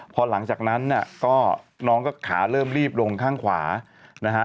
พอหลังจากนั้นเนี่ยก็น้องก็ขาเริ่มรีบลงข้างขวานะฮะ